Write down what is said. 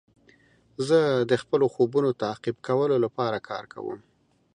زه د خپلو خوبونو تعقیب کولو لپاره کار کوم.